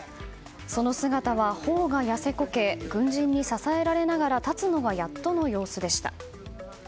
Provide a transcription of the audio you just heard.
その姿は頬が痩せこけ軍人に支えられながら立つのがやっとの様子でした。